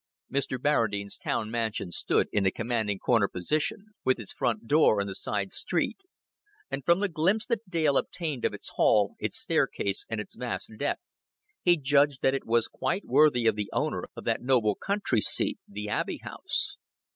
Mr. Barradine's town mansion stood in a commanding corner position, with its front door in the side street; and from the glimpse that Dale obtained of its hall, its staircase, and its vast depth, he judged that it was quite worthy of the owner of that noble countryseat, the Abbey House.